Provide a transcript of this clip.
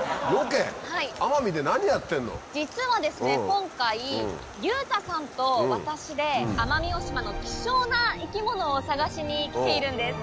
今回裕太さんと私で奄美大島の希少な生き物を探しに来ているんです。